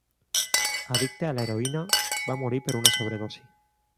Addicte a l'heroïna, va morir per una sobredosi.